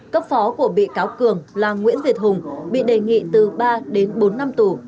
cấp phó của bị cáo cường là nguyễn việt hùng bị đề nghị từ ba đến bốn năm tù